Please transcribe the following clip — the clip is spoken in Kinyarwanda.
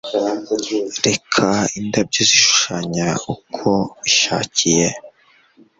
Reka indabyo zishushanya uko bishakiye